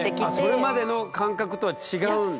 それまでの感覚とは違うんですか？